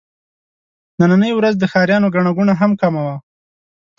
نننۍ ورځ د ښاريانو ګڼه ګوڼه هم کمه وه.